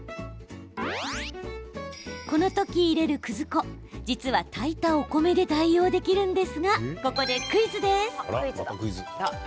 この時、入れるくず粉実は炊いたお米で代用できるんですがここでクイズです。